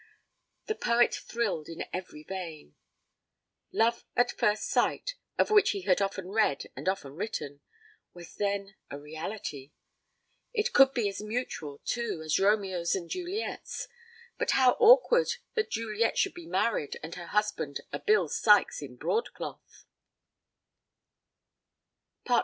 The poet thrilled in every vein. 'Love at first sight', of which he had often read and often written, was then a reality! It could be as mutual, too, as Romeo's and Juliet's. But how awkward that Juliet should be married and her husband a Bill Sykes in broad cloth!